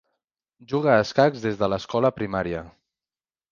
Juga a escacs des de l'escola primària.